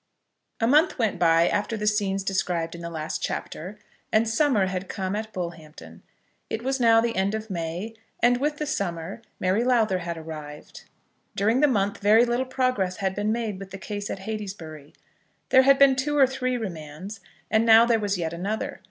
A month went by after the scenes described in the last chapter, and summer had come at Bullhampton. It was now the end of May, and, with the summer, Mary Lowther had arrived. During the month very little progress had been made with the case at Heytesbury. There had been two or three remands, and now there was yet another.